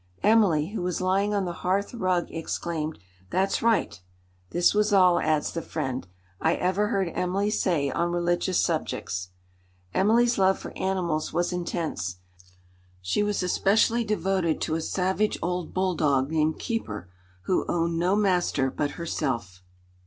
Emily, who was lying on the hearth rug, exclaimed, 'That's right.' This was all," adds the friend, "I ever heard Emily say on religious subjects." Emily's love for animals was intense; she was especially devoted to a savage old bull dog named Keeper, who owned no master but herself.